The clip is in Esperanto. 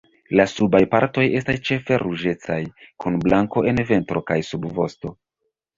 La subaj partoj estas ĉefe ruĝecaj kun blanko en ventro kaj subvosto.